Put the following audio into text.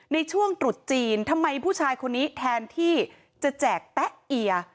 ในช่วงตรุษจีนทำไมผู้ชายคนนี้แทนที่จะแจกแต๊ะเอีย